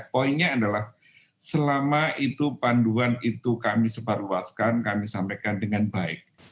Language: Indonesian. poinnya adalah selama itu panduan itu kami sebarluaskan kami sampaikan dengan baik